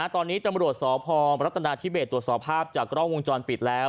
ตอนนี้ตำรวจสพรัฐนาธิเบสตรวจสอบภาพจากกล้องวงจรปิดแล้ว